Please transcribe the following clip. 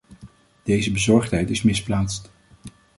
Deze bezorgdheid is misplaatst.